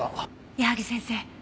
矢萩先生